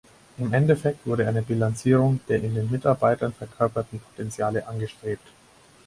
Im Endeffekt wurde eine Bilanzierung der in den Mitarbeitern verkörperten Potenziale angestrebt.